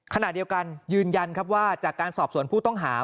ขณะเดียวกันยืนยันครับว่าจากการสอบสวนผู้ต้องหา